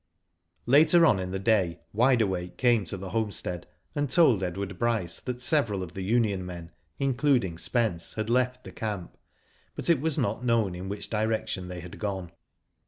Later on in the day Wide Awake came to the homestead, and told Edward Bryce that several of the Union men, including Spence, had left the camp, but it was not known in which direction they had gone.